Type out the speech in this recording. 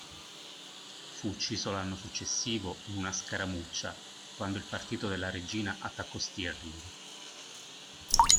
Fu ucciso l'anno successivo in una scaramuccia quando il partito della regina attaccò Stirling.